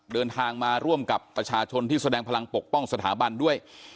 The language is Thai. เดินทางมาร่วมกับประชาชนที่แสดงพลังปกป้องสถาบันด้วย